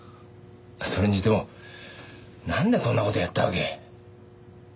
それにしてもなんでこんな事やったわけ？